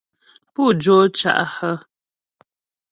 Pú jó cá' hə́ ?